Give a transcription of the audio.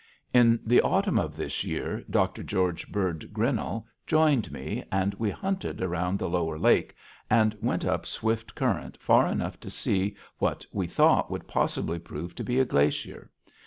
In the autumn of this year Dr. George Bird Grinnell joined me, and we hunted around the lower lake, and went up Swift Current far enough to see what we thought would possibly prove to be a glacier.